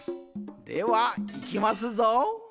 ではいきますぞ。